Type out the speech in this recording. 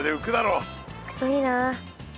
うくといいなあ。